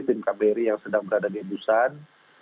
tim kbri yang sedang berada di busan